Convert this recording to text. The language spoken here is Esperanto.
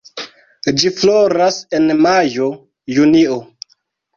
Ĝi floras en majo-junio.